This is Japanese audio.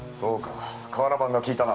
瓦版がきいたな。